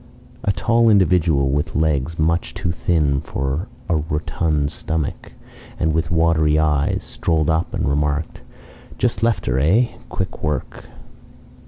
A tall individual, with legs much too thin for a rotund stomach, and with watery eyes, strolled up and remarked, "Just left her eh? Quick work."